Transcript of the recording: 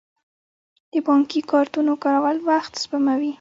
د بانکي کارتونو کارول وخت سپموي.